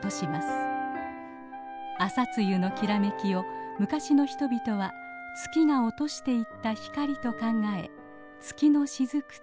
朝露のきらめきを昔の人々は月が落としていった光と考え「月の雫」と呼んだのです。